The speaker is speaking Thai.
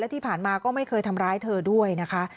ที่ผ่านมาก็ไม่เคยทำร้ายเธอด้วยนะคะ